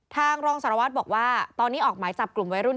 รองสารวัตรบอกว่าตอนนี้ออกหมายจับกลุ่มวัยรุ่น